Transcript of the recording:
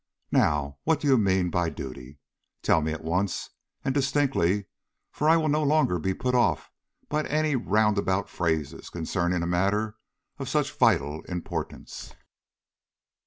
Now, what do you mean by duty? Tell me at once and distinctly, for I will no longer be put off by any roundabout phrases concerning a matter of such vital importance."